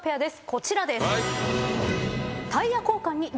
こちらです。